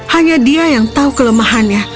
hanya dia yang tahu kelemahannya